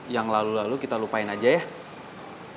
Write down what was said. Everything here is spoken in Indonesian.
yang lalu lalu kita lupain aja ya